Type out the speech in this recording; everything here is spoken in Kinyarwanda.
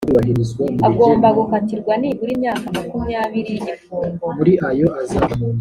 agomba gukatirwa nibura imyaka makumyabiri y’igifungo